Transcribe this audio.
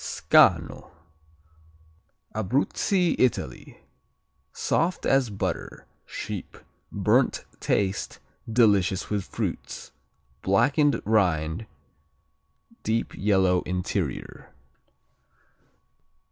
Scanno Abruzzi, Italy Soft as butter; sheep; burnt taste, delicious with fruits. Blackened rind, deep yellow interior.